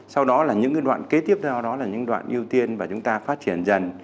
sau đó là những đoạn kế tiếp theo đó là những đoạn ưu tiên và chúng ta phát triển dần